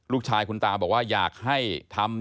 ลูกชายคุณตาบอกว่าอยากให้ทำ